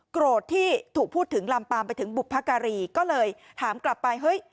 โกรธที่ถูกพูดถึงลำปามไปถึงบุพการีก็เลยถามกลับไปเฮ้ย